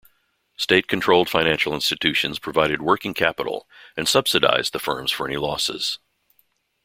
State-controlled financial institutions provided working capital and subsidized the firms for any losses.